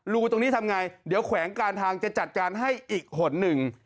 รูตรงนี้ทำไงเดี๋ยวแขวงการทางจะจัดการให้อีกหนหนึ่ง